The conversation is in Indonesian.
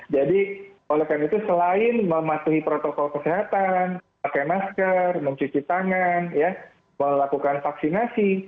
jadi oleh karena itu selain mematuhi protokol kesehatan pakai masker mencuci tangan melakukan vaksinasi